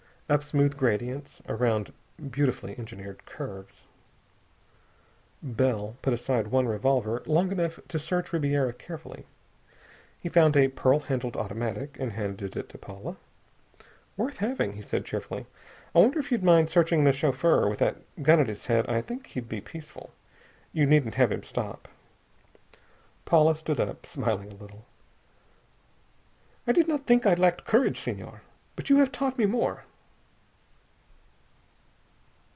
Up smooth gradients. Around beautifully engineered curves. Bell put aside one revolver long enough to search Ribiera carefully. He found a pearl handled automatic, and handed it to Paula. "Worth having," he said cheerfully. "I wonder if you'd mind searching the chauffeur: with that gun at his head I think he'd be peaceful. You needn't have him stop." Paula stood up, smiling a little. "I did not think I lacked courage, Senhor," she observed, "but you have taught me more."